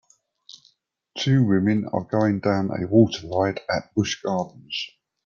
Two women are going down a water ride at Busch Gardens.